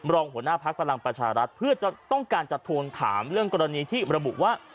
รองหัวหน้าพักพลังประชารัฐเพื่อจะต้องการจะทวงถามเรื่องกรณีที่ระบุว่า